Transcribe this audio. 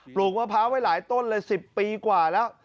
ลูกมะพร้าวไว้หลายต้นเลย๑๐ปีกว่าแล้ว